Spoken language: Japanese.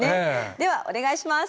ではお願いします。